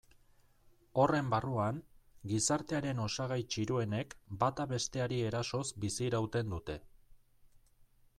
Horren barruan, gizartearen osagai txiroenek batak besteari erasoz bizirauten dute.